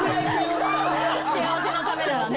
幸せのためならね。